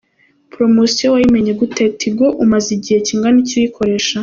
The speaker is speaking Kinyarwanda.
Poromosiyo wayimenye gute? Tigo umaze igihe kingana iki iyikoresha?.